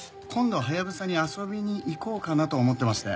ハヤブサに遊びに行こうかなと思ってまして。